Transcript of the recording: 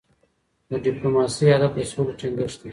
د ډيپلوماسۍ هدف د سولې ټینګښت دی.